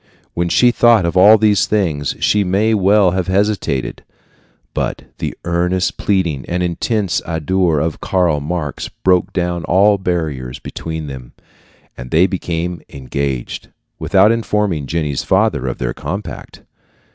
When she thought of all these things, she may well have hesitated; but the earnest pleading and intense ardor of Karl Marx broke down all barriers between them, and they became engaged, without informing Jenny's father of their compact.